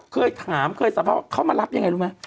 เคยถามเคยเศรษฐ์ว่าเขามารับอย่างไรรู้ไหม